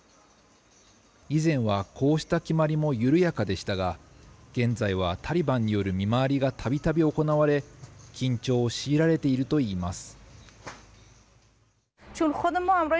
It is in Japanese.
以前はこうした決まりも緩やかでしたが、現在はタリバンによる見回りがたびたび行われ、緊張を強いられているといいます。